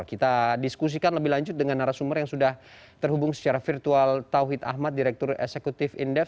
kita diskusikan lebih lanjut dengan narasumber yang sudah terhubung secara virtual tauhid ahmad direktur eksekutif indef